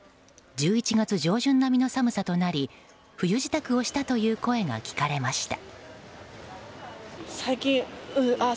１１月上旬並みの寒さとなり冬支度をしたという声が聞かれました。